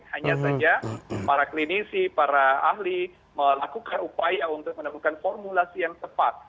hanya saja para klinisi para ahli melakukan upaya untuk menemukan formulasi yang tepat